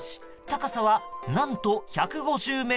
高さは何と１５０ｍ。